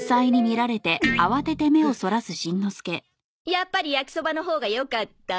やっぱり焼きそばのほうがよかった？